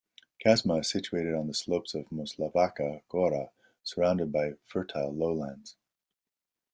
Čazma is situated on the slopes of Moslavačka gora, surrounded by fertile lowlands.